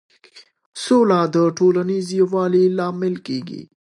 سوله د ټولنیز یووالي لامل کېږي.